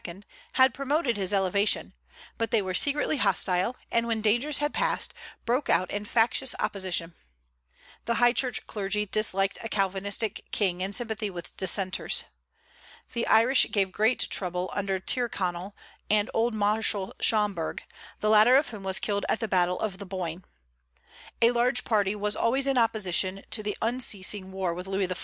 had promoted his elevation; but they were secretly hostile, and when dangers had passed, broke out in factious opposition. The high church clergy disliked a Calvinistic king in sympathy with Dissenters. The Irish gave great trouble under Tyrconnel and old Marshal Schomberg, the latter of whom was killed at the battle of the Boyne. A large party was always in opposition to the unceasing war with Louis XIV.